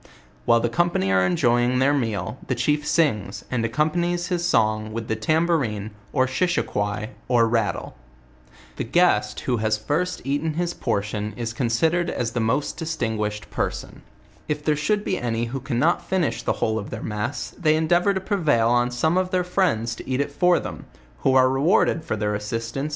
While the company are enjoying their meal, the chief sings, and accompanies his song with the tambo rine, or shishiquoi, or rattle* The guest who has first eaten his portion is considered as the most distinguished person. If there should be any who cannot finish the whole of their mess, they endeavor to prevail on some of their friendi to eat it for them, who are rewarded for their assistance with *It is however to be lamented, that of late their is a relax .